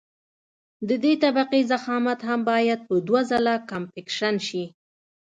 د دې طبقې ضخامت هم باید په دوه ځله کمپکشن شي